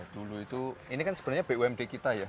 dulu itu ini kan sebenarnya bumd kita ya